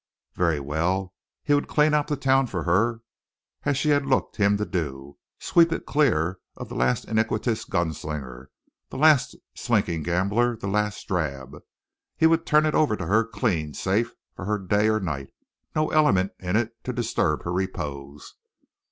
Very well; he would clean up the town for her as she had looked to him to do, sweep it clear of the last iniquitous gun slinger, the last slinking gambler, the last drab. He would turn it over to her clean, safe for her day or night, no element in it to disturb her repose.